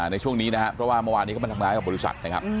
ในช่วงนี้นะฮะเพราะว่าเมื่อวานนี้ก็เป็นทางร้ายของบริษัทนะครับ